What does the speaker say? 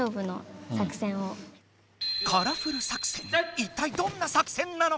一体どんな作戦なのか！